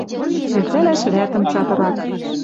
Элтӓлӓш вӓтӹм цатырак.